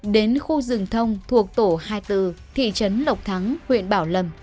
đến khu rừng thông thuộc tổ hai mươi bốn thị trấn lộc thắng huyện bảo lâm